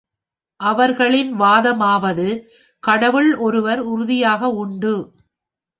அவர்களின் வாதமாவது கடவுள் ஒருவர் உறுதியாக உண்டு.